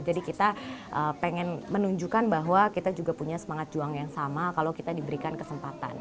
jadi kita pengen menunjukkan bahwa kita juga punya semangat juang yang sama kalau kita diberikan kesempatan